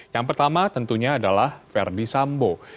yang pertama tentunya adalah verdi sambo